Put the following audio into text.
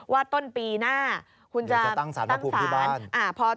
ว่าต้นปีหน้าคุณจะตั้งสารพระภูมิที่บ้าน